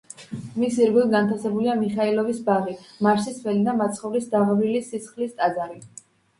მის ირგვლივ განთავსებულია მიხაილოვის ბაღი, მარსის ველი და მაცხოვრის დაღვრილი სისხლის ტაძარი.